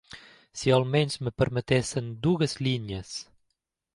Si almenys em permetessin dues línies.